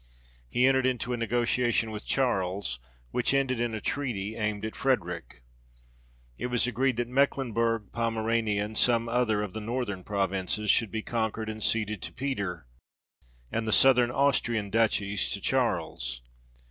He entered into a negotiation with Charles, which ended in a treaty, aimed at Frederic. It was agreed that Mecklenbourg, Pomerania, and some other of the northern provinces, should be conquered and ceded to Peter, and the southern Austrian duchies to Charles.